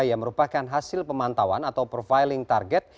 yang merupakan hasil pemantauan atau profiling target